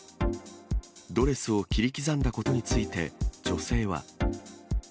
ドレスを切り刻んだことについて、女性は。